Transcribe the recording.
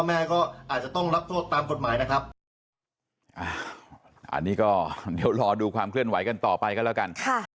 อันนี้ก็เดี๋ยวรอดูความเคลื่อนไหวกันต่อไปก็แล้วกัน